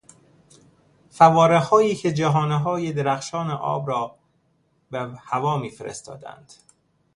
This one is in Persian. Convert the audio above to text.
فوارههایی که جهانههای درخشان آب را به هوا میفرستادند.